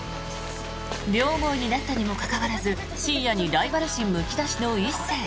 両思いになったにもかかわらず深夜にライバル心むき出しの一星。